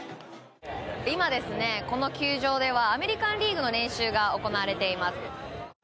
今ですね、この球場ではアメリカン・リーグの練習が行われています。